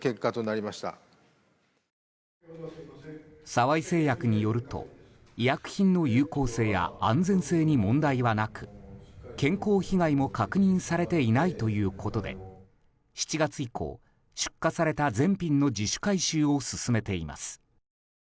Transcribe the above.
沢井製薬によると、医薬品の有効性や安全性に問題はなく健康被害も確認されていないということで７月以降、出荷された全品の自主回収を進めています。